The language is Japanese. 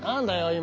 今。